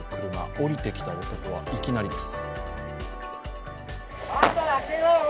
降りてきた男は、いきなりです。